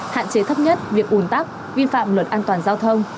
hạn chế thấp nhất việc ủn tắc vi phạm luật an toàn giao thông